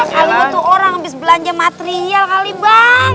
kalian butuh orang abis belanja material kali bang